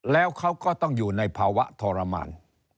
แล้วเขาก็ต้องอยู่ในภาวะทรมาน